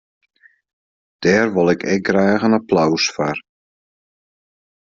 Dêr wol ik ek graach in applaus foar.